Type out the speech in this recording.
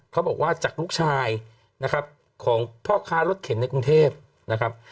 เขาบอกว่าจากลูกชายนะครับของพ่อค้ารถเข็นในกรุงเทพนะครับ